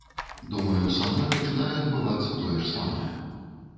Думаю, са мной пачынае адбывацца тое ж самае.